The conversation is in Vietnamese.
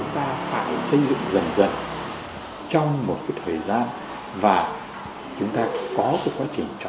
chúng ta phải xây dựng dần dần trong một thời gian và chúng ta có